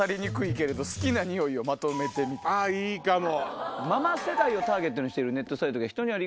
あいいかも！